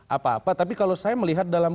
apa apa tapi kalau saya melihat dalam